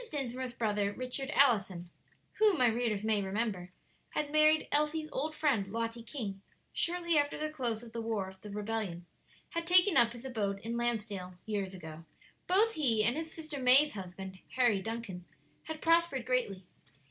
Dinsmore's brother, Richard Allison, who, my readers may remember, had married Elsie's old friend, Lottie King, shortly after the close of the war of the rebellion, had taken up his abode in Lansdale years ago. Both he and his sister May's husband, Harry Duncan, had prospered greatly.